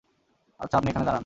আচ্ছা, আপনি এখানে দাঁড়ান।